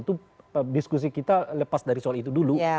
itu diskusi kita lepas dari soal itu dulu